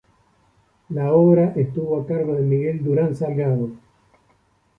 La obra estuvo a cargo de Miguel Durán Salgado.